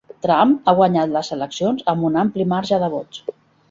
Trump ha guanyat les eleccions amb un ampli marge de vots